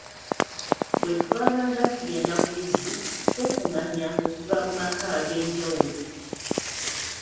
Bwe twabanga tugenda ku luzzi, twekunganyanga okuva mu maka ag’enjawulo.